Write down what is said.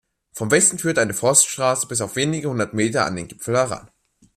Von Westen führt eine Forststraße bis auf wenige hundert Meter an den Gipfel heran.